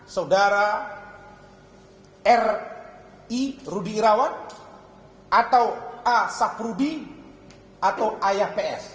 saudara r i rudi irawan atau a saprudi atau ayah ps